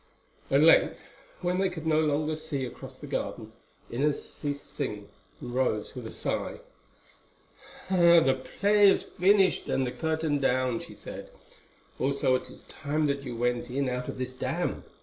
At length, when they could no longer see across the garden, Inez ceased singing and rose with a sigh. "The play is finished and the curtain down," she said; "also it is time that you went in out of this damp.